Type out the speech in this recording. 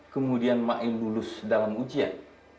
kemudian maim lulus dalam ujian